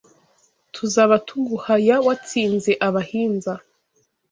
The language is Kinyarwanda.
Tuzaba tuguhaya, Watsinze abahinza